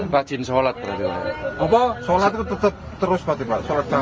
berjalan ke kabupaten kertama